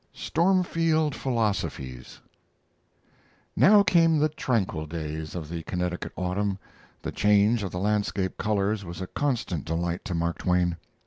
STORMFIELD PHILOSOPHIES Now came the tranquil days of the Connecticut autumn. The change of the landscape colors was a constant delight to Mark Twain.